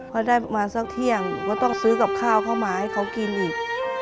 พอได้ประมาณสักเที่ยงก็ต้องซื้อกับข้าวเข้ามาให้เขากินอีก